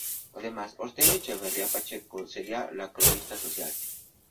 Además, Hortensia Echeverría Pacheco sería la cronista social.